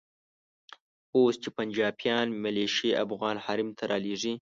اوس چې پنجابیان ملیشې افغان حریم ته رالېږي.